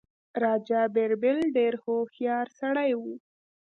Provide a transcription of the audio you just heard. راجا بیربل ډېر هوښیار سړی وو.